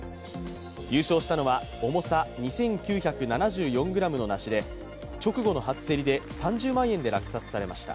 優勝したのは、重さ２９７４ｇの梨で直後の初競りで３０万円で落札されました。